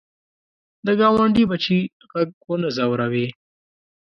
د ګاونډي بچي غږ ونه ځوروې